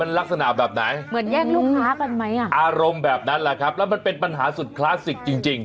อารมณ์แบบนั้นแหละครับแล้วมันเป็นปัญหาสุดคลาสสิคจริง